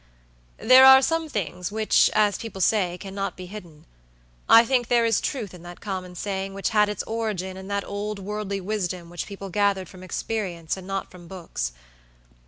"There are some things which, as people say, cannot be hidden. I think there is truth in that common saying which had its origin in that old worldly wisdom which people gathered from experience and not from books.